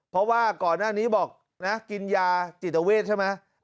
เพราะว่าก่อนหน้านี้บอกนะกินยาจิตเวทใช่ไหม